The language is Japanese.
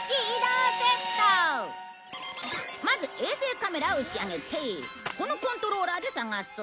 まず衛星カメラを打ち上げてこのコントローラーで探す。